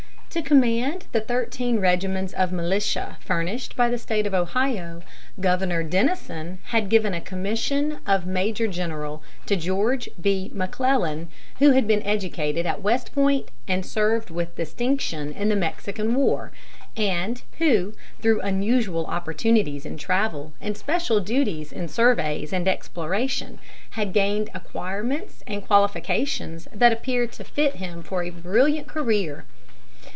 To command the thirteen regiments of militia furnished by the State of Ohio, Governor Dennison had given a commission of major general to George B. McClellan, who had been educated at West Point and served with distinction in the Mexican War, and who, through unusual opportunities in travel and special duties in surveys and exploration, had gained acquirements and qualifications that appeared to fit him for a brilliant career.